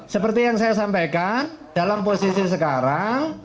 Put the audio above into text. seperti yang saya sampaikan dalam posisi sekarang